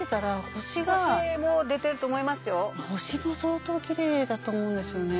星も相当キレイだと思うんですよね。